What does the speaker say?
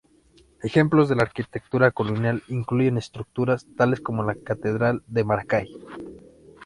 Ejemplos de la arquitectura colonial incluyen estructuras tales como la catedral de Maracay.